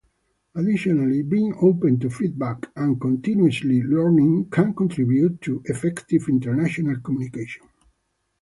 Additionally, being open to feedback and continuously learning can contribute to effective international communication.